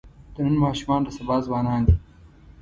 د نن ماشومان د سبا ځوانان دي.